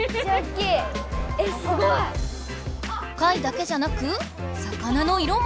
貝だけじゃなく魚の色も！